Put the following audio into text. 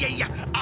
あ！